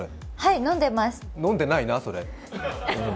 飲んでないな、それ。